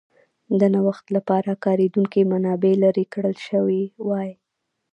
د نوښت لپاره کارېدونکې منابع لرې کړل شوې وای.